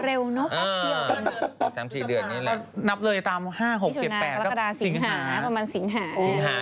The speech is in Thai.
เร็วเนาะแป๊บเดือนนี้แหละนับเลยตาม๕๖๗๘ก็สิงหา